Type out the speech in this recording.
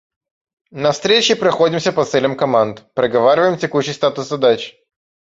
На встрече проходимся по целям команд, проговариваем текущий статус задач.